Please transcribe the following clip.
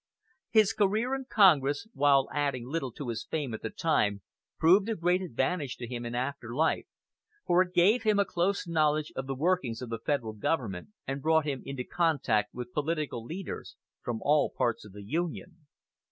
His career in Congress, while adding little to his fame at the time, proved of great advantage to him in after life, for it gave him a close knowledge of the workings of the Federal Government, and brought him into contact with political leaders from all parts of the Union.